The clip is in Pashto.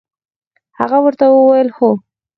هغه ورته وویل: هو.